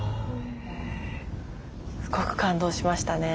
すごく感動しましたね。